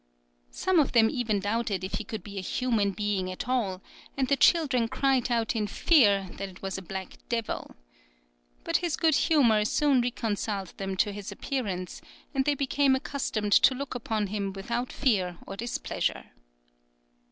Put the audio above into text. Some of them even doubted if he could be a human being at all, and the children cried out in fear that it was a black devil. But his good humour soon reconciled them to his appearance, and they became accustomed to look upon him without fear or displeasure.